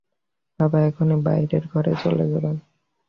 বাবা এখুনি বাইরের ঘরে চলে যাবেন।